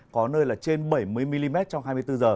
có nơi là trên bảy mươi mm trong hai mươi bốn h